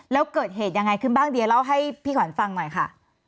แล้วเกิดเหตุยังไงขึ้นบ้างเดี๋ยวเล่าให้พี่ขวัญฟังหน่อยค่ะ